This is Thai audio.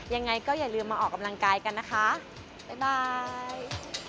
ยังไงก็อย่าลืมมาออกกำลังกายกันนะคะบ๊ายบาย